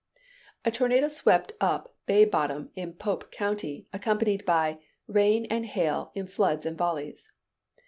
A tornado swept up Bay Bottom in Pope county, accompanied by "rain and hail in floods and volleys."